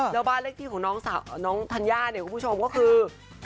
แล้วบ้านเลขที่ของน้องธัญญาเนี่ยคุณผู้ชมก็คือ